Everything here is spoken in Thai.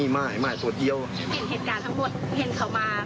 ก็เริ่มโว๊ยวายเขากับรีบรุนกันขึ้น